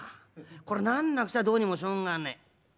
これなんなくちゃどうにもしょうがねえ。